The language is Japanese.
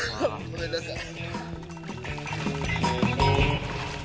ごめんなさい。